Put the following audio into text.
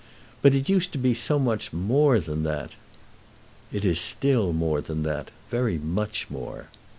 But it used to be so much more than that." "It is still more than that; very much more."